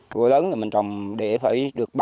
gỗ lớn thì mình trồng để phải được